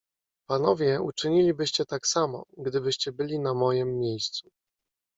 "Panowie uczynilibyście tak samo, gdybyście byli na mojem miejscu."